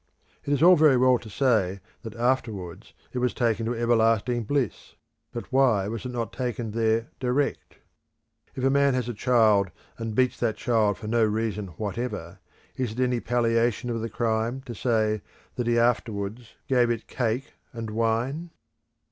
It is all very well to say that afterwards it was taken to everlasting bliss; but why was it not taken there direct? If a man has a child and beats that child for no reason whatever, is it any palliation of the crime to say that he afterwards gave it cake and wine?